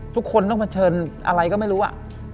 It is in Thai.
ทุกคนต้องเผชิญอะไรก็ไม่รู้อ่ะ